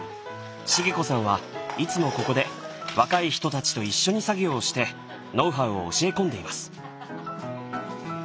茂子さんはいつもここで若い人たちと一緒に作業をしてノウハウを教え込んでいます。